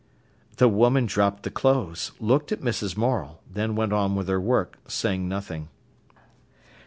The woman dropped the clothes, looked at Mrs. Morel, then went on with her work, saying nothing.